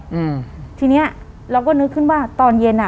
อืมทีเนี้ยเราก็นึกขึ้นว่าตอนเย็นอ่ะ